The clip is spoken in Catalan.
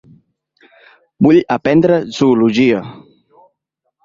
Vull aprendre Zoologia.